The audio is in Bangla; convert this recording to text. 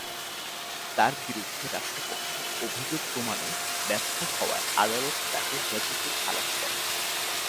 তাঁর বিরুদ্ধে রাষ্ট্রপক্ষ অভিযোগ প্রমাণে ব্যর্থ হওয়ায় আদালত তাঁকে বেকসুর খালাস দেন।